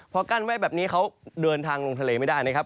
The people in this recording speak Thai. พอกั้นไว้แบบนี้เขาเดินทางลงทะเลไม่ได้นะครับ